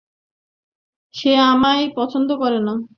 সে আমায় পছন্দ করে না।